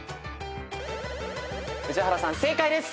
宇治原さん正解です。